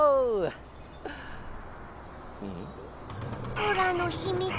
オラのひみつ